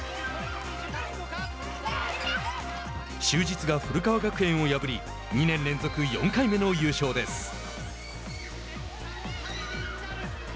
就実が古川学園を破り２年連続４回目の優勝です。